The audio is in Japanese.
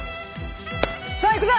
さあ行くぞ！